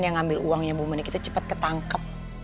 yang ngambil uangnya bu menik itu cepat ketangkep